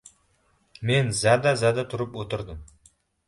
Men zada-zada turib o‘tirdim.